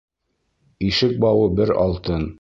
Ишек бауы бер алтын